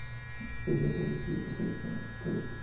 Fellowes escribió el papel para Coyle.